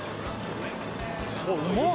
うまっ！